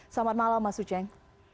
selamat malam mas uceng